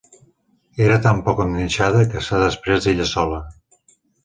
Era tan poc enganxada, que s'ha desprès ella sola.